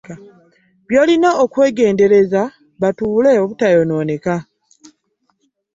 Byolina okwegendereza batule obutayononeka.